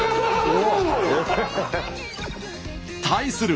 対する